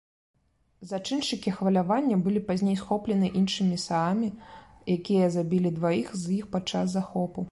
Зачыншчыкі хвалявання былі пазней схоплены іншымі саамамі, якія забілі дваіх з іх падчас захопу.